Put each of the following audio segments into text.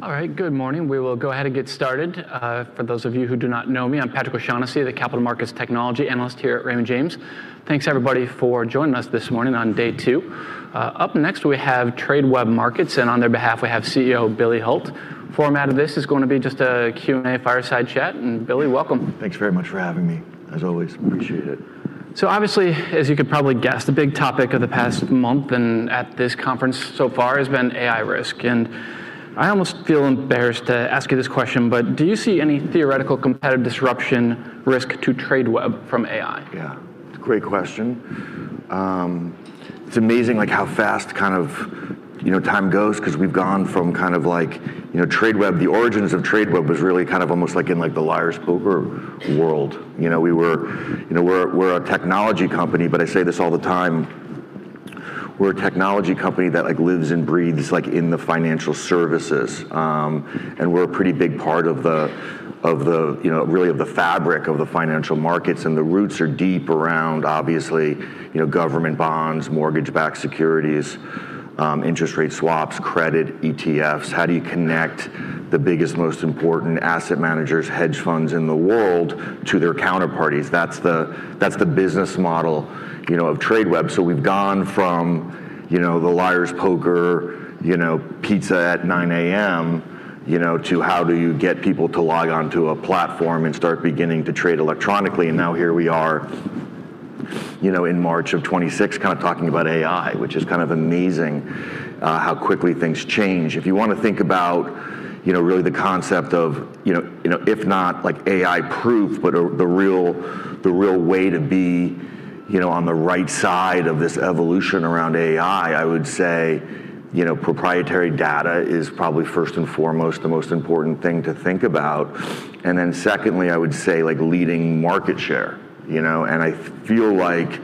All right. Good morning. We will go ahead and get started. For those of you who do not know me, I'm Patrick O'Shaughnessy, the capital markets technology analyst here at Raymond James. Thanks everybody for joining us this morning on day two. Up next, we have Tradeweb Markets, and on their behalf, we have CEO Billy Hult. Format of this is gonna be just a Q&A fireside chat. Billy, welcome. Thanks very much for having me, as always. Appreciate it. Obviously, as you could probably guess, the big topic of the past month and at this conference so far has been AI risk. I almost feel embarrassed to ask you this question, but do you see any theoretical competitive disruption risk to Tradeweb from AI? Yeah. Great question. It's amazing like how fast kind of, you know, time goes 'cause we've gone from kind of like, you know, Tradeweb the origins of Tradeweb was really kind of almost like in like the Liar's Poker world. You know, we're a technology company, but I say this all the time, we're a technology company that like, lives and breathes like in the financial services. We're a pretty big part of the, of the, you know, really of the fabric of the financial markets. The roots are deep around obviously, you know, government bonds, mortgage-backed securities, interest rate swaps, credit, ETFs. How do you connect the biggest, most important asset managers, hedge funds in the world to their counterparties? That's the business model, you know, of Tradeweb. We've gone from, you know, the Liar's Poker, you know, pizza at 9:00 A.M., you know, to how do you get people to log onto a platform and start beginning to trade electronically. Now here we are, you know, in March of 2026 kind of talking about AI, which is kind of amazing, how quickly things change. If you want to think about, you know, really the concept of, you know, if not like AI proof, but the real way to be, you know, on the right side of this evolution around AI, I would say, you know, proprietary data is probably first and foremost the most important thing to think about. Then secondly, I would say like leading market share, you know. I feel like,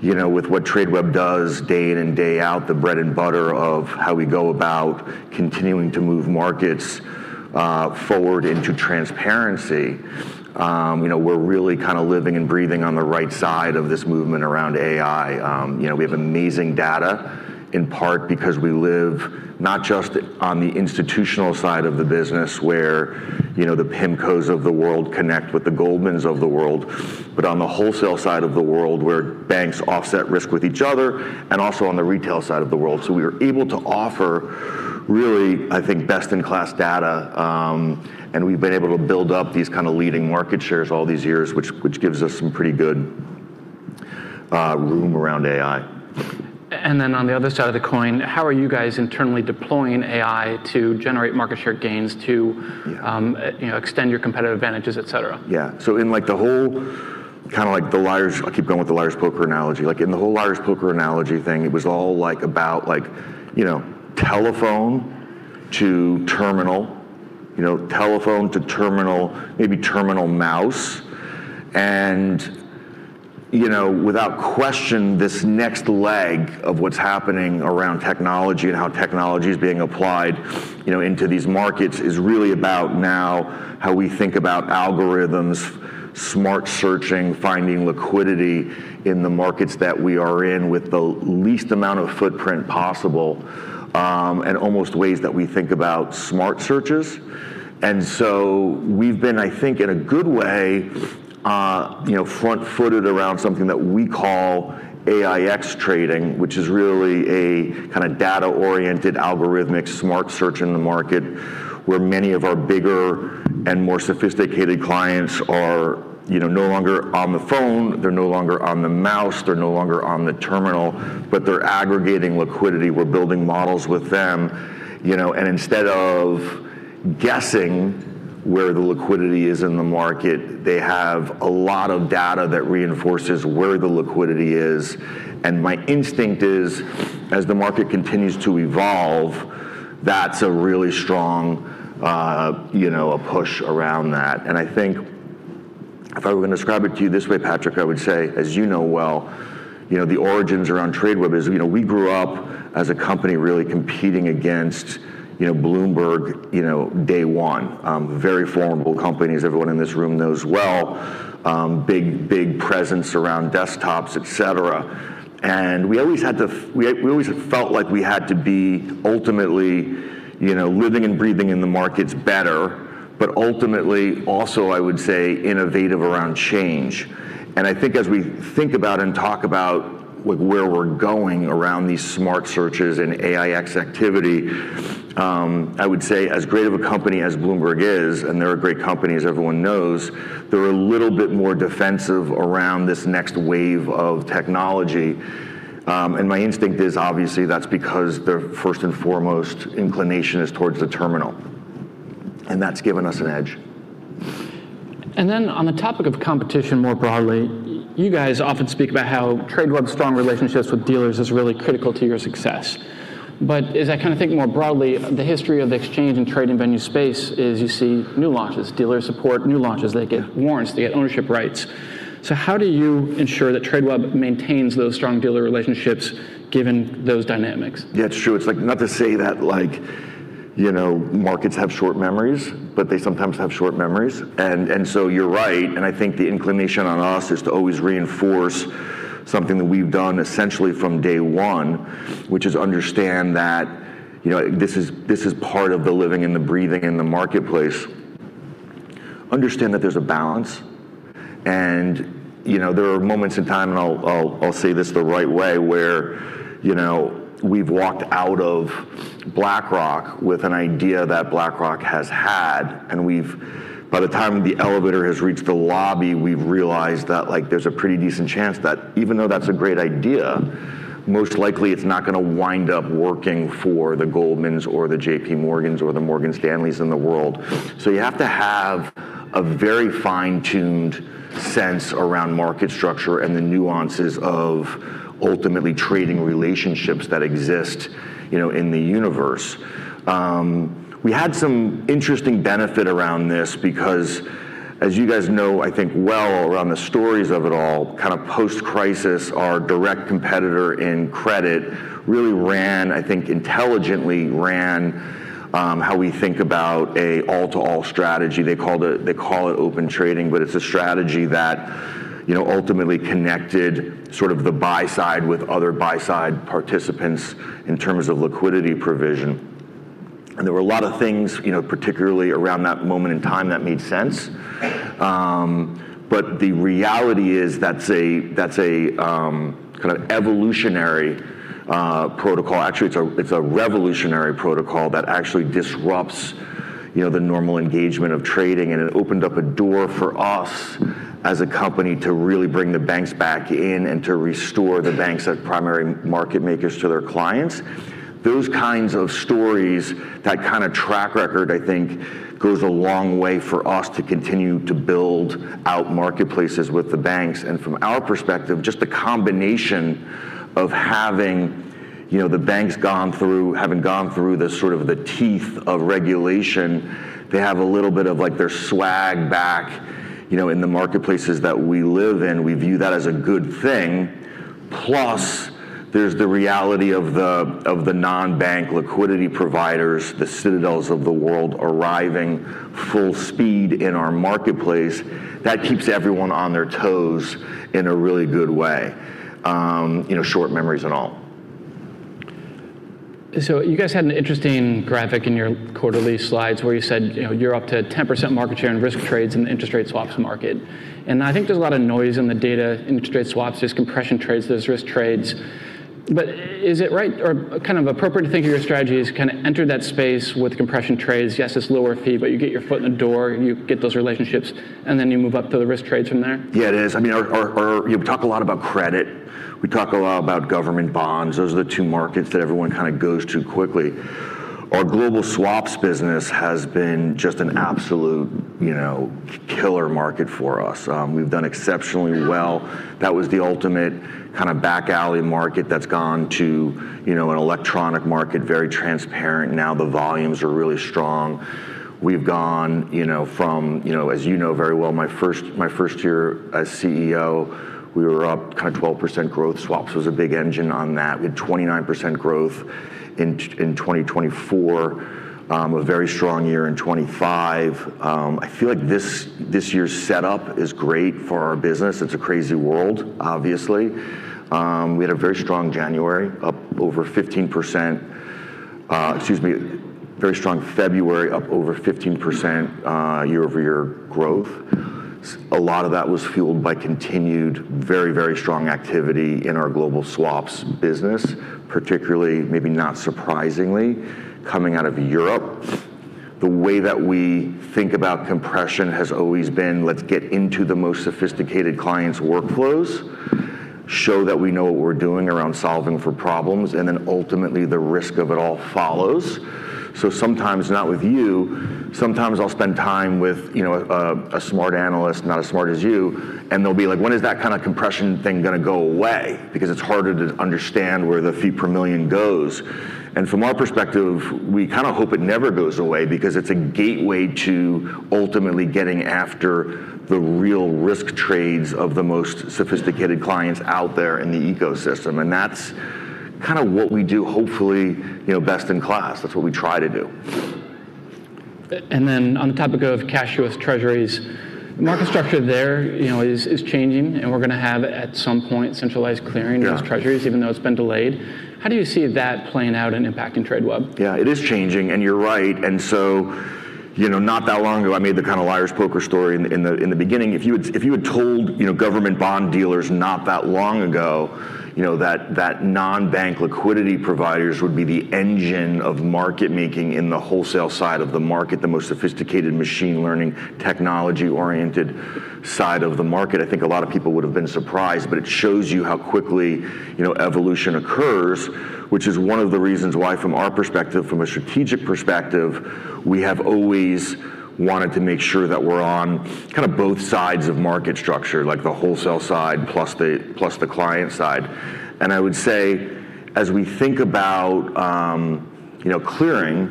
you know, with what Tradeweb does day in and day out, the bread and butter of how we go about continuing to move markets forward into transparency, you know, we're really kinda living and breathing on the right side of this movement around AI. You know, we have amazing data in part because we live not just on the institutional side of the business where, you know, the PIMCOs of the world connect with the Goldmans of the world, but on the wholesale side of the world where banks offset risk with each other and also on the retail side of the world. We are able to offer really, I think, best in class data. We've been able to build up these kinda leading market shares all these years, which gives us some pretty good room around AI. Then on the other side of the coin, how are you guys internally deploying AI to generate market share gains? Yeah. You know, extend your competitive advantages, et cetera? Yeah. I'll keep going with the Liar's Poker analogy. In the whole Liar's Poker analogy thing, it was all like about like, you know, telephone to terminal. You know, telephone to terminal, maybe terminal mouse. You know, without question, this next leg of what's happening around technology and how technology is being applied, you know, into these markets is really about now how we think about algorithms, smart searching, finding liquidity in the markets that we are in with the least amount of footprint possible, and almost ways that we think about smart searches. We've been, I think, in a good way, you know, front-footed around something that we call AiEX trading, which is really a kind of data-oriented algorithmic smart search in the market where many of our bigger and more sophisticated clients are, you know, no longer on the phone, they're no longer on the mouse, they're no longer on the terminal, but they're aggregating liquidity. We're building models with them, you know. Instead of guessing where the liquidity is in the market, they have a lot of data that reinforces where the liquidity is. My instinct is, as the market continues to evolve, that's a really strong, you know, a push around that. I think if I were gonna describe it to you this way, Patrick, I would say, as you know well, you know, the origins around Tradeweb is, you know, we grew up as a company really competing against, you know, Bloomberg, you know, day one. Very formidable company as everyone in this room knows well. Big, big presence around desktops, et cetera. We always had to We always felt like we had to be ultimately, you know, living and breathing in the markets better, but ultimately also I would say innovative around change. I think as we think about and talk about where we're going around these smart searches and AiEX activity, I would say as great of a company as Bloomberg is, and they're a great company as everyone knows, they're a little bit more defensive around this next wave of technology. My instinct is obviously that's because their first and foremost inclination is towards the terminal, and that's given us an edge. On the topic of competition more broadly, you guys often speak about how Tradeweb's strong relationships with dealers is really critical to your success. As I kinda think more broadly, the history of the exchange and trading venue space is you see new launches, dealer support, new launches. They get warrants, they get ownership rights. How do you ensure that Tradeweb maintains those strong dealer relationships given those dynamics? Yeah, it's true. It's like, not to say that like, you know, markets have short memories, but they sometimes have short memories. You're right, and I think the inclination on us is to always reinforce something that we've done essentially from day one, which is understand that, you know, this is, this is part of the living and the breathing in the marketplace. Understand that there's a balance and, you know, there are moments in time, and I'll say this the right way, where, you know, we've walked out of BlackRock with an idea that BlackRock has had, and by the time the elevator has reached the lobby, we've realized that, like, there's a pretty decent chance that even though that's a great idea, most likely it's not gonna wind up working for the Goldmans or the JP Morgans or the Morgan Stanleys in the world. You have to have a very fine-tuned sense around market structure and the nuances of ultimately trading relationships that exist, you know, in the universe. We had some interesting benefit around this because as you guys know, I think well around the stories of it all, kind of post-crisis, our direct competitor in credit really ran, I think, intelligently ran, how we think about a all-to-all strategy. They call it Open Trading, it's a strategy that, you know, ultimately connected sort of the buy side with other buy side participants in terms of liquidity provision. There were a lot of things, you know, particularly around that moment in time that made sense. The reality is that's a kind of evolutionary protocol. Actually, it's a, it's a revolutionary protocol that actually disrupts, you know, the normal engagement of trading, and it opened up a door for us as a company to really bring the banks back in and to restore the banks as primary market makers to their clients. Those kinds of stories, that kind of track record, I think, goes a long way for us to continue to build out marketplaces with the banks. From our perspective, just the combination of having, you know, the banks having gone through the sort of the teeth of regulation, they have a little bit of, like, their swag back, you know, in the marketplaces that we live in. We view that as a good thing. There's the reality of the, of the non-bank liquidity providers, the Citadel of the world arriving full speed in our marketplace. That keeps everyone on their toes in a really good way, you know, short memories and all. You guys had an interesting graphic in your quarterly slides where you said, you know, you're up to 10% market share in risk trades in the interest rate swaps market. I think there's a lot of noise in the data, interest rate swaps, there's compression trades, there's risk trades. Is it right or kind of appropriate to think of your strategy as kinda enter that space with compression trades? Yes, it's lower fee, but you get your foot in the door, you get those relationships, and then you move up to the risk trades from there? Yeah, it is. I mean, our. You talk a lot about credit. We talk a lot about government bonds. Those are the two markets that everyone kinda goes to quickly. Our global swaps business has been just an absolute, you know, killer market for us. We've done exceptionally well. That was the ultimate kinda back-alley market that's gone to, you know, an electronic market, very transparent. Now the volumes are really strong. We've gone, you know, from, you know, as you know very well, my first year as CEO, we were up kinda 12% growth. Swaps was a big engine on that. We had 29% growth in 2024. A very strong year in 2025. I feel like this year's setup is great for our business. It's a crazy world, obviously. We had a very strong January, up over 15%. Excuse me, very strong February, up over 15% year-over-year growth. A lot of that was fueled by continued very, very strong activity in our global swaps business, particularly, maybe not surprisingly, coming out of Europe. The way that we think about compression has always been, let's get into the most sophisticated clients' workflows, show that we know what we're doing around solving for problems, and then ultimately the risk of it all follows. Sometimes, not with you, sometimes I'll spend time with, you know, a smart analyst, not as smart as you, and they'll be like, "When is that kinda compression thing gonna go away?" Because it's harder to understand where the fee per million goes. From our perspective, we kinda hope it never goes away because it's a gateway to ultimately getting after the real risk trades of the most sophisticated clients out there in the ecosystem. That's kinda what we do, hopefully, you know, best in class. That's what we try to do. On the topic of cash versus Treasuries, the market structure there, you know, is changing, and we're gonna have, at some point, centralized clearing- Yeah ...just Treasuries, even though it's been delayed. How do you see that playing out and impacting Tradeweb? Yeah, it is changing, and you're right. You know, not that long ago, I made the kinda Liar's Poker story in the beginning. If you had told, you know, government bond dealers not that long ago, you know, that non-bank liquidity providers would be the engine of market making in the wholesale side of the market, the most sophisticated machine learning, technology-oriented side of the market, I think a lot of people would've been surprised. It shows you how quickly, you know, evolution occurs, which is one of the reasons why from our perspective, from a strategic perspective, we have always wanted to make sure that we're on kinda both sides of market structure, like the wholesale side plus the client side. I would say as we think about, you know, clearing,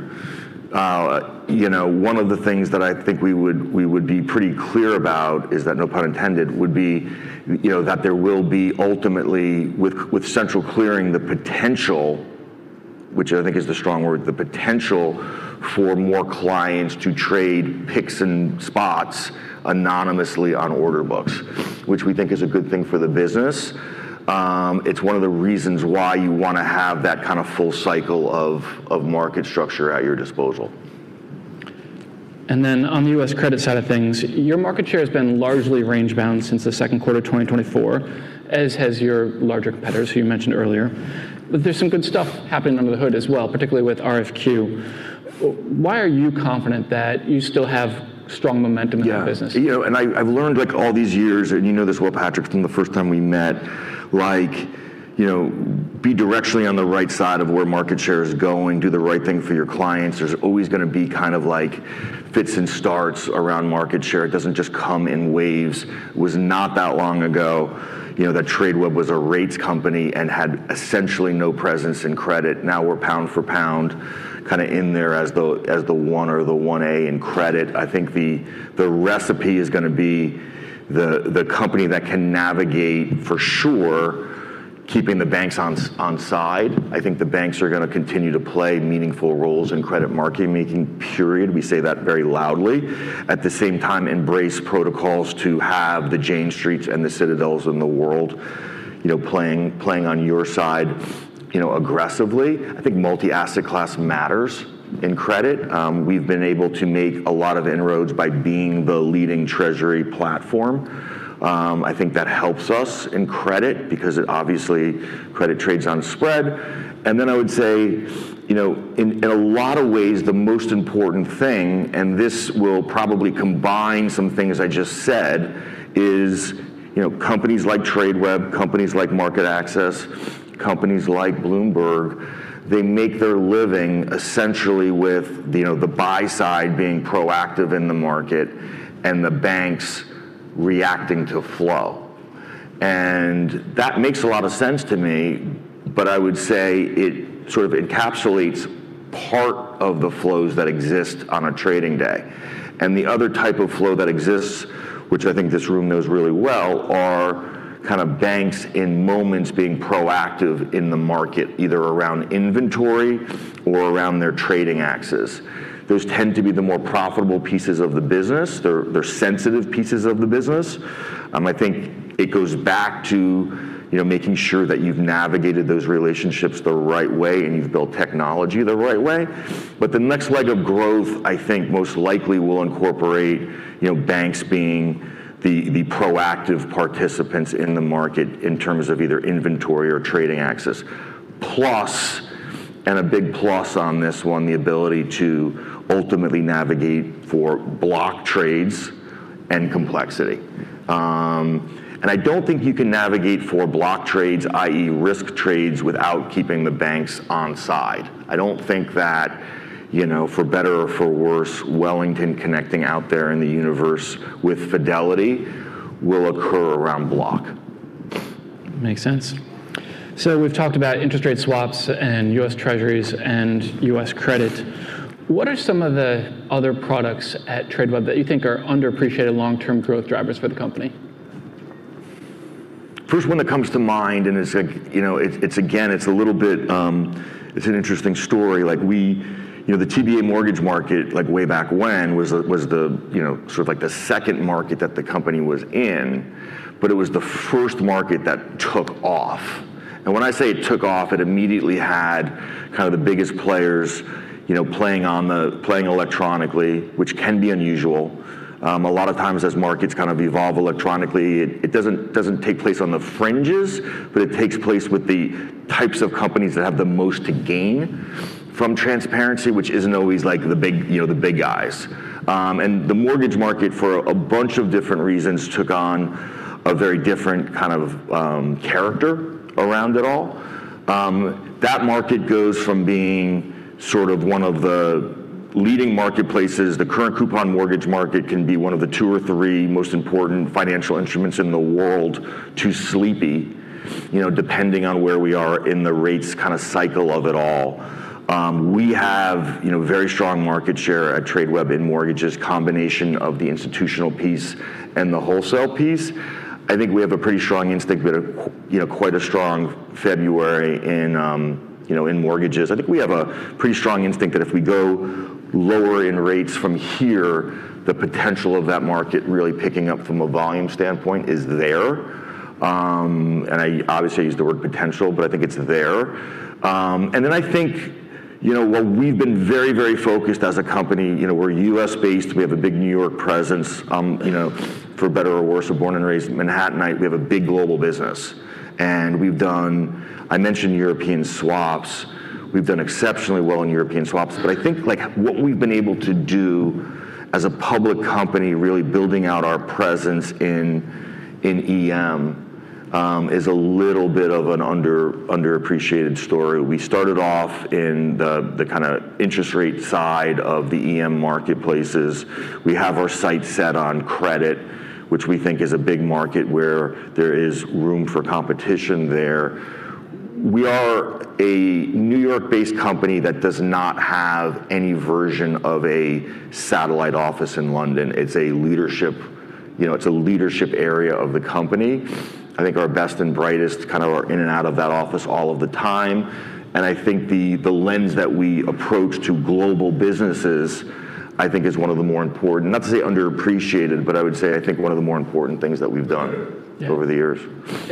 you know, one of the things that I think we would, we would be pretty clear about is that, no pun intended, would be, you know, that there will be ultimately with central clearing the potential, which I think is the strong word, for more clients to trade picks and spots anonymously on order books, which we think is a good thing for the business. It's one of the reasons why you wanna have that kind of full cycle of market structure at your disposal. On the U.S. credit side of things, your market share has been largely range-bound since the second quarter 2024, as has your larger competitors who you mentioned earlier. There's some good stuff happening under the hood as well, particularly with RFQ. Why are you confident that you still have strong momentum in the business? You know, I've learned, like, all these years, and you know this well, Patrick, from the first time we met, like, you know, be directionally on the right side of where market share is going, do the right thing for your clients. There's always gonna be kind of like fits and starts around market share. It doesn't just come in waves. It was not that long ago, you know, that Tradeweb was a rates company and had essentially no presence in credit. Now we're pound for pound kinda in there as the one or the one A in credit. I think the recipe is gonna be the company that can navigate for sure keeping the banks on side. I think the banks are gonna continue to play meaningful roles in credit market making, period. We say that very loudly. At the same time, embrace protocols to have the Jane Street and the Citadel in the world, you know, playing on your side, you know, aggressively. I think multi-asset class matters in credit. We've been able to make a lot of inroads by being the leading treasury platform. I think that helps us in credit because it obviously credit trades on spread. I would say, you know, in a lot of ways, the most important thing, and this will probably combine some things I just said, is, you know, companies like Tradeweb, companies like MarketAxess, companies like Bloomberg, they make their living essentially with, you know, the buy side being proactive in the market and the banks reacting to flow. That makes a lot of sense to me, but I would say it sort of encapsulates part of the flows that exist on a trading day. The other type of flow that exists, which I think this room knows really well, are kind of banks in moments being proactive in the market, either around inventory or around their trading axes. Those tend to be the more profitable pieces of the business. They're sensitive pieces of the business. I think it goes back to, you know, making sure that you've navigated those relationships the right way and you've built technology the right way. The next leg of growth I think most likely will incorporate, you know, banks being the proactive participants in the market in terms of either inventory or trading axes. A big plus on this one, the ability to ultimately navigate for block trades and complexity. I don't think you can navigate for block trades, i.e. risk trades, without keeping the banks on side. I don't think that, you know, for better or for worse, Wellington connecting out there in the universe with Fidelity will occur around block. Makes sense. We've talked about interest rate swaps and U.S. Treasuries and U.S. Credit. What are some of the other products at Tradeweb that you think are underappreciated long-term growth drivers for the company? First one that comes to mind, it's like, you know, it's again, it's a little bit, it's an interesting story. Like we, you know, the TBA mortgage market, like way back when, was the, you know, sort of like the second market that the company was in, but it was the first market that took off. When I say it took off, it immediately had kind of the biggest players, you know, playing electronically, which can be unusual. A lot of times as markets kind of evolve electronically, it doesn't take place on the fringes, but it takes place with the types of companies that have the most to gain from transparency, which isn't always like the big, you know, the big guys. The mortgage market for a bunch of different reasons took on a very different kind of character around it all. That market goes from being sort of one of the leading marketplaces. The current coupon mortgage market can be one of the two or three most important financial instruments in the world to sleepy, you know, depending on where we are in the rates kind of cycle of it all. We have, you know, very strong market share at Tradeweb in mortgages, combination of the institutional piece and the wholesale piece. I think we have a pretty strong instinct that, you know, quite a strong February in, you know, in mortgages. I think we have a pretty strong instinct that if we go lower in rates from here, the potential of that market really picking up from a volume standpoint is there. I obviously use the word potential, but I think it's there. Then I think, you know, what we've been very, very focused as a company, you know, we're U.S.-based, we have a big New York presence, you know, for better or worse, we're born and raised in Manhattan, we have a big global business. We've done. I mentioned European swaps. We've done exceptionally well in European swaps. I think, like, what we've been able to do as a public company really building out our presence in EM is a little bit of an underappreciated story. We started off in the kinda interest rate side of the EM marketplaces. We have our sights set on credit, which we think is a big market where there is room for competition there. We are a New York-based company that does not have any version of a satellite office in London. It's a leadership area of the company. I think our best and brightest kind of are in and out of that office all of the time. I think the lens that we approach to global businesses, I think is one of the more important, not to say underappreciated, but I would say I think one of the more important things that we've done over the years.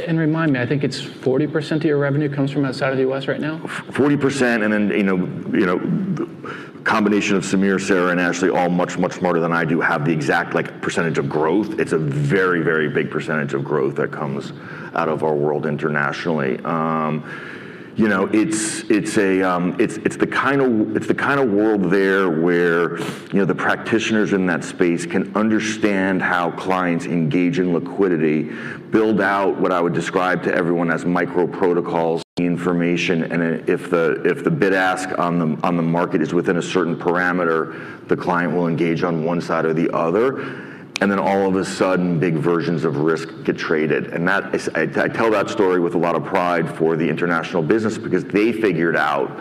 Remind me, I think it's 40% of your revenue comes from outside of the U.S. right now? 40%, you know, combination of Sameer, Sara, and Ashley, all much smarter than I do, have the exact, like, percentage of growth. It's a very big percentage of growth that comes out of our world internationally. You know, it's the kind of world there where, you know, the practitioners in that space can understand how clients engage in liquidity, build out what I would describe to everyone as micro-protocols information, if the bid-ask on the market is within a certain parameter, the client will engage on one side or the other. Then all of a sudden, big versions of risk get traded. I tell that story with a lot of pride for the international business because they figured out,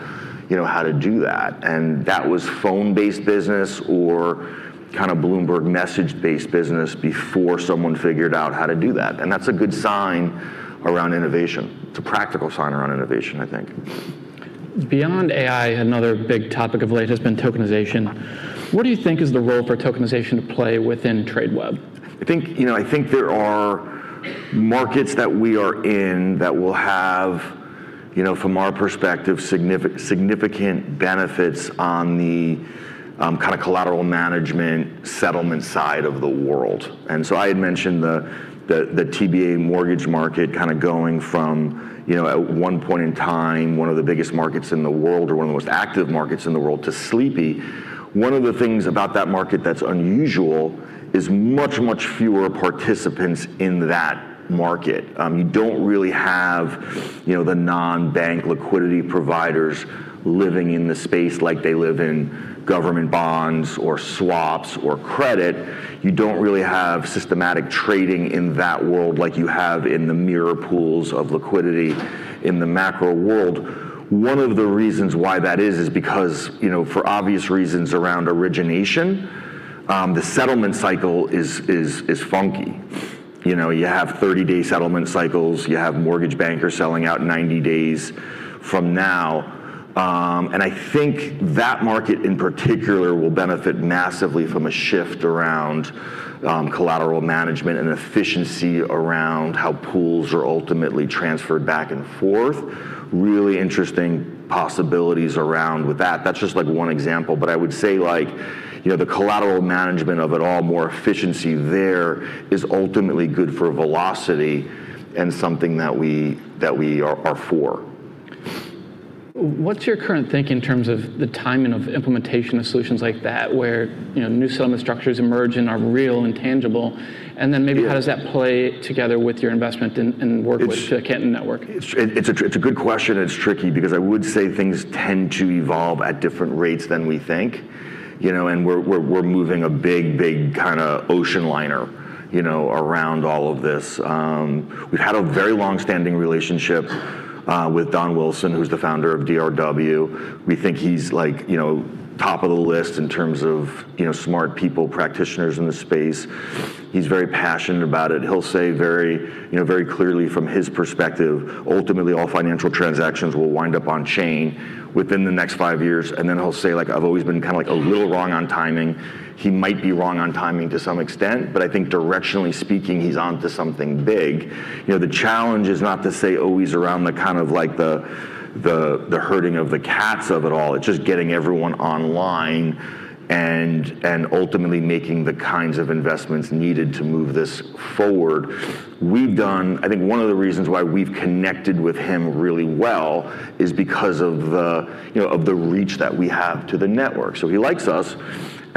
you know, how to do that. That was phone-based business or kind of Bloomberg message-based business before someone figured out how to do that. That's a good sign around innovation. It's a practical sign around innovation, I think. Beyond AI, another big topic of late has been tokenization. What do you think is the role for tokenization to play within Tradeweb? I think, you know, I think there are markets that we are in that will have, you know, from our perspective, significant benefits on the kinda collateral management settlement side of the world. I had mentioned the TBA mortgage market kinda going from, you know, at one point in time, one of the biggest markets in the world or one of the most active markets in the world to sleepy. One of the things about that market that's unusual is much, much fewer participants in that market. You don't really have, you know, the non-bank liquidity providers living in the space like they live in government bonds or swaps or credit. You don't really have systematic trading in that world like you have in the mirror pools of liquidity in the macro world. One of the reasons why that is because, you know, for obvious reasons around origination, the settlement cycle is funky. You know, you have 30-day settlement cycles. You have mortgage bankers selling out 90 days from now. I think that market in particular will benefit massively from a shift around collateral management and efficiency around how pools are ultimately transferred back and forth. Really interesting possibilities around with that. That's just, like, one example, but I would say, like, you know, the collateral management of it all, more efficiency there is ultimately good for velocity and something that we are for. What's your current think in terms of the timing of implementation of solutions like that, where, you know, new settlement structures emerge and are real and tangible? Maybe how does that play together with your investment in work with the Canton Network? It's a good question, and it's tricky because I would say things tend to evolve at different rates than we think. You know, and we're moving a big kinda ocean liner, you know, around all of this. We've had a very long-standing relationship with Don Wilson, who's the founder of DRW. We think he's, like, you know, top of the list in terms of, you know, smart people, practitioners in the space. He's very passionate about it. He'll say very, you know, very clearly from his perspective, ultimately, all financial transactions will wind up on-chain within the next five years. Then he'll say, like, "I've always been kinda, like, a little wrong on timing." He might be wrong on timing to some extent, I think directionally speaking, he's onto something big. You know, the challenge is not to say always around the kind of like the herding of the cats of it all. It's just getting everyone online and ultimately making the kinds of investments needed to move this forward. I think one of the reasons why we've connected with him really well is because of the, you know, of the reach that we have to the network. He likes us,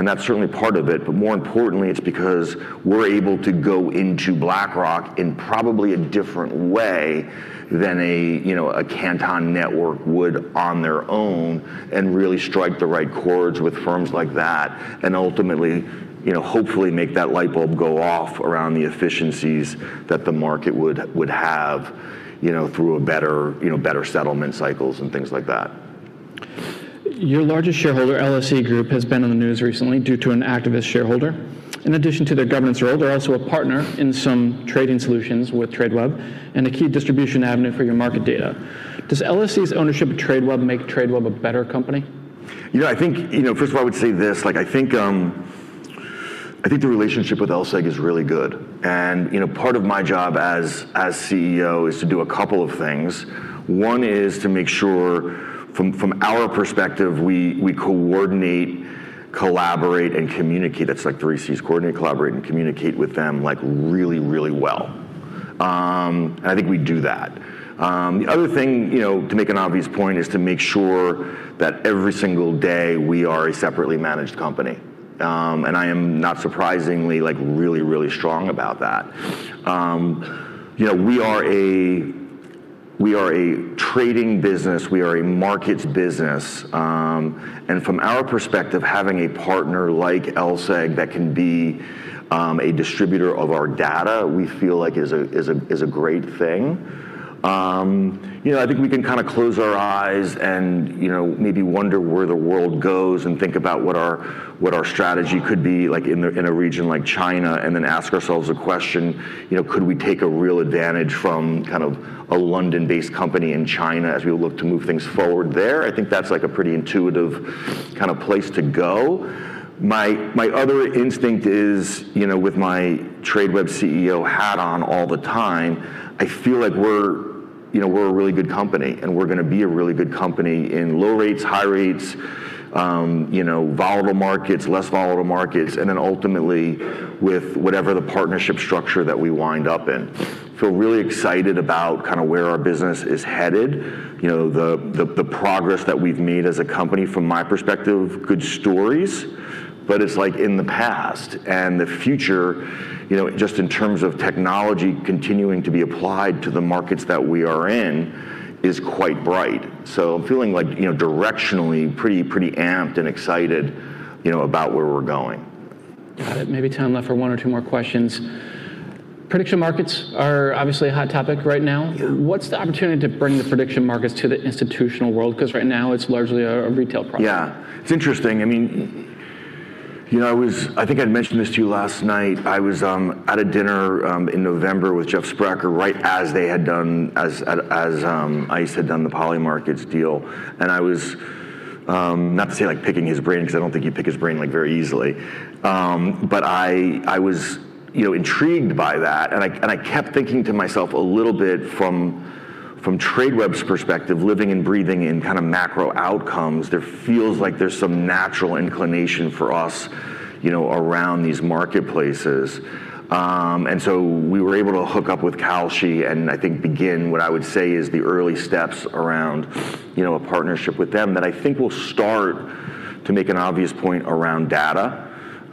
and that's certainly part of it, but more importantly, it's because we're able to go into BlackRock in probably a different way than a, you know, a Canton Network would on their own and really strike the right chords with firms like that and ultimately, you know, hopefully make that light bulb go off around the efficiencies that the market would have, you know, through a better, you know, better settlement cycles and things like that. Your largest shareholder, LSE Group, has been in the news recently due to an activist shareholder. In addition to their governance role, they're also a partner in some trading solutions with Tradeweb and a key distribution avenue for your market data. Does LSE's ownership of Tradeweb make Tradeweb a better company? You know, I think, you know, first of all, I would say this, like, I think, I think the relationship with LSEG is really good. You know, part of my job as CEO is to do a couple of things. One is to make sure from our perspective, we coordinate, collaborate, and communicate. That's like three Cs, coordinate, collaborate, and communicate with them, like, really, really well. I think we do that. The other thing, you know, to make an obvious point is to make sure that every single day we are a separately managed company. I am not surprisingly, like, really, really strong about that. You know, we are a trading business. We are a markets business. From our perspective, having a partner like LSEG that can be a distributor of our data, we feel like is a great thing. You know, I think we can kind of close our eyes and, you know, maybe wonder where the world goes and think about what our strategy could be, like in a region like China, and then ask ourselves a question, you know, could we take a real advantage from kind of a London-based company in China as we look to move things forward there? I think that's like a pretty intuitive kind of place to go. My other instinct is, you know, with my Tradeweb CEO hat on all the time, I feel like we're, you know, we're a really good company, and we're gonna be a really good company in low rates, high rates, you know, volatile markets, less volatile markets, ultimately with whatever the partnership structure that we wind up in. Feel really excited about kinda where our business is headed, you know, the progress that we've made as a company from my perspective, good stories, it's like in the past. The future, you know, just in terms of technology continuing to be applied to the markets that we are in, is quite bright. I'm feeling like, you know, directionally pretty amped and excited, you know, about where we're going. Got it. Maybe time left for one or two more questions. Prediction markets are obviously a hot topic right now. Yeah. What's the opportunity to bring the prediction markets to the institutional world? 'Cause right now it's largely a retail product. Yeah. It's interesting. I mean, you know, I think I'd mentioned this to you last night. I was at a dinner in November with Jeff Sprecher, right as they had done, ICE had done the Polymarket's deal. I was not to say like picking his brain 'cause I don't think you pick his brain like very easily, but I was, you know, intrigued by that. I kept thinking to myself a little bit from Tradeweb's perspective, living and breathing in kinda macro outcomes, there feels like there's some natural inclination for us, you know, around these marketplaces. We were able to hook up with Kalshi and I think begin what I would say is the early steps around, you know, a partnership with them that I think will start to make an obvious point around data.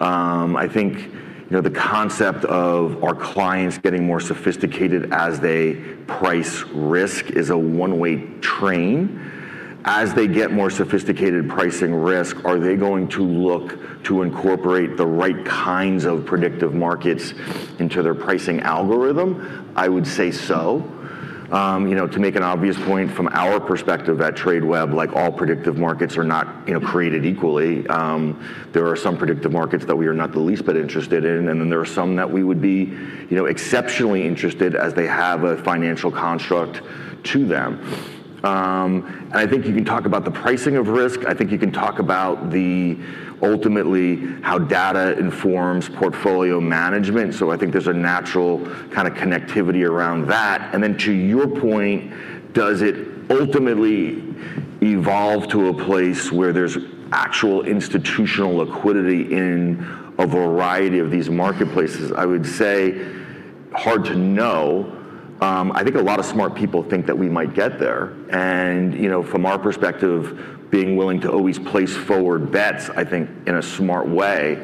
I think, you know, the concept of our clients getting more sophisticated as they price risk is a one-way train. As they get more sophisticated pricing risk, are they going to look to incorporate the right kinds of prediction markets into their pricing algorithm? I would say so. You know, to make an obvious point from our perspective at Tradeweb, like all prediction markets are not, you know, created equally. There are some prediction markets that we are not the least bit interested in, there are some that we would be, you know, exceptionally interested as they have a financial construct to them. I think you can talk about the pricing of risk. I think you can talk about the ultimately how data informs portfolio management. I think there's a natural kinda connectivity around that. Then to your point, does it ultimately evolve to a place where there's actual institutional liquidity in a variety of these marketplaces? I would say hard to know. I think a lot of smart people think that we might get there. You know, from our perspective, being willing to always place forward bets, I think in a smart way,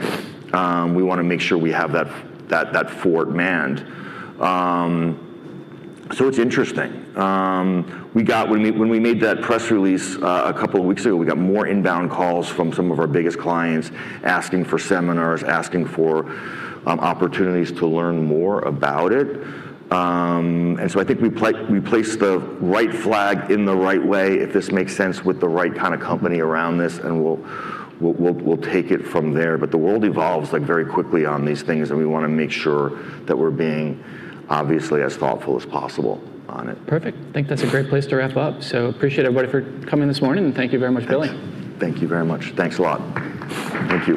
we wanna make sure we have that forward manned. It's interesting. When we made that press release, a couple of weeks ago, we got more inbound calls from some of our biggest clients asking for seminars, asking for opportunities to learn more about it. I think we placed the right flag in the right way, if this makes sense, with the right kinda company around this, we'll take it from there. The world evolves like very quickly on these things, and we wanna make sure that we're being obviously as thoughtful as possible on it. Perfect. Think that's a great place to wrap up. Appreciate everybody for coming this morning, and thank you very much, Billy. Thank you very much. Thanks a lot. Thank you.